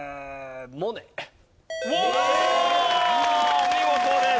お見事です。